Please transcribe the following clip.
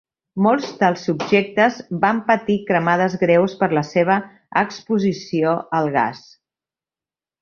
Molts dels subjectes van patir cremades greus per la seva exposició al gas.